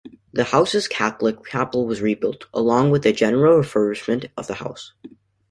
The house's Catholic chapel was rebuilt, along with a general refurbishment of the house.